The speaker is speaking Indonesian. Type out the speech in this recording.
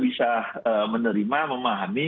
bisa menerima memahami